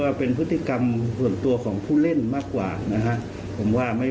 ว่าเป็นพฤติกรรมส่วนตัวของผู้เล่นมากกว่านะฮะผมว่าไม่